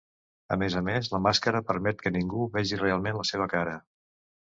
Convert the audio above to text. A més a més, la màscara permet que ningú vegi realment la seva cara.